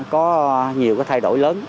có nhiều thay đổi lớn